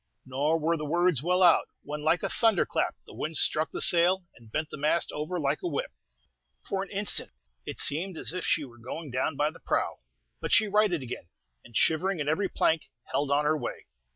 Nor were the words well out, when, like a thunder clap, the wind struck the sail, and bent the mast over like a whip. For an instant it seemed as if she were going down by the prow; but she righted again, and, shivering in every plank, held on her way.